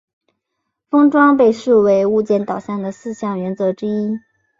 封装被视为是物件导向的四项原则之一。